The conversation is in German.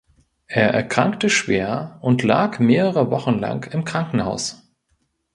Er erkrankte schwer und lag mehrere Wochen lang im Krankenhaus.